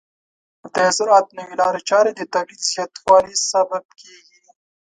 د زراعت نوې لارې چارې د تولید زیاتوالي سبب کیږي.